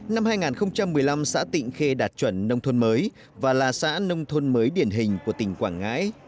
năm hai nghìn một mươi năm xã tịnh khê đạt chuẩn nông thôn mới và là xã nông thôn mới điển hình của tỉnh quảng ngãi